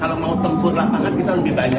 kalau mau tempur lapangan kita lebih banyak